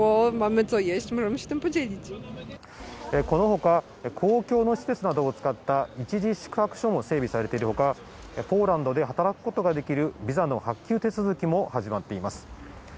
このほか、公共の施設などを使った一時宿泊所も整備されているほか、ポーランドで働くことができるビザの発給手続きも始まっています。